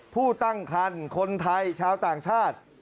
ผู้ตั้งคันคนไทยชาวต่างชาติ